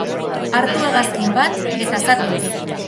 Hartu hegazkin bat eta zatoz!